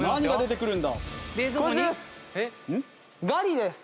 ガリです！